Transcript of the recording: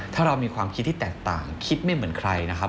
ถ้าเรามีความคิดที่แตกต่างคิดไม่เหมือนใครนะครับ